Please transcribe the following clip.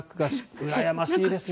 うらやましいですね。